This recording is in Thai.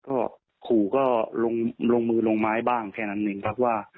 ก็ขู่ก็ลงมือลงไม้บ้างแค่นั้นเองครับว่า